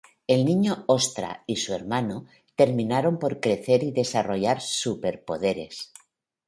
El niño-ostra y su hermano terminaron por crecer y desarrollar super poderes.